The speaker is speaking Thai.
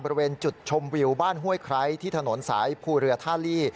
บริเวณจุดชมวิวบ้านห้วยไคร้ที่ถนนสายภูเรือท่าลี่